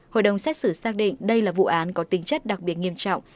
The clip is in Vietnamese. hội đồng xét xử xác định đây là vụ án có tính chất đặc biệt nghiêm trọng